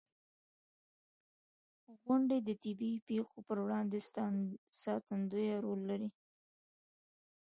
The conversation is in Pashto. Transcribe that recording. • غونډۍ د طبعي پېښو پر وړاندې ساتندوی رول لري.